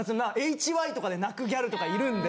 ＨＹとかで泣くギャルとかいるんで。